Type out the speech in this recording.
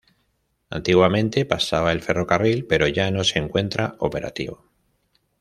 Antiguamente pasaba el ferrocarril, pero ya no se encuentra operativo.